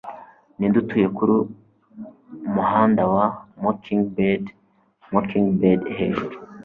Ninde Utuye kuri Umuhanda wa Mockingbird, Mockingbird Hejuru”